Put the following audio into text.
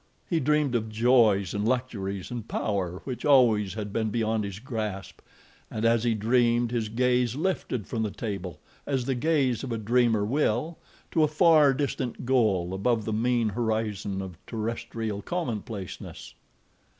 He dreamed of joys and luxuries and power which always had been beyond his grasp, and as he dreamed his gaze lifted from the table, as the gaze of a dreamer will, to a far distant goal above the mean horizon of terrestrial commonplaceness.